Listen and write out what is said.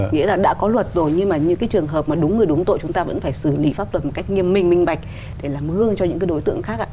nghĩa là đã có luật rồi nhưng mà những cái trường hợp mà đúng người đúng tội chúng ta vẫn phải xử lý pháp luật một cách nghiêm minh minh bạch để làm gương cho những cái đối tượng khác ạ